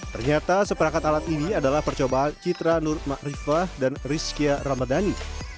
ternyata seperangkat alat ini adalah percobaan citra nur ma'rifah dan rizqia ramadhani